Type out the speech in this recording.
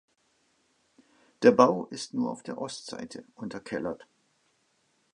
Der Bau ist nur auf der Ostseite unterkellert.